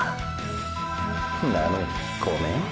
なのに「ごめん」？